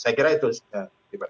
saya kira itu saja